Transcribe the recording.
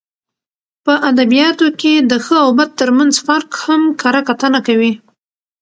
په اد بیاتو کښي د ښه او بد ترمنځ فرق هم کره کتنه کوي.